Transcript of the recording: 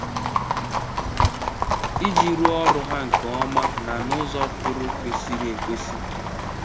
iji rụọ ọrụ ha nke ọma na n'ụzọ pụrụ kwesiri ekwesi.